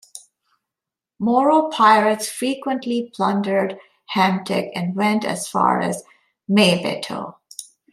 Moro pirates frequently plundered Hamtic and went as far as Maybato.